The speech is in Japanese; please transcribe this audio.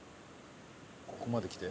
ここまで来て？